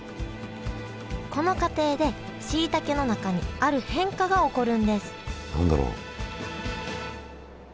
この過程でしいたけの中にある変化が起こるんです何だろう？